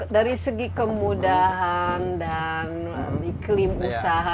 dari segi kemudahan dan iklim usaha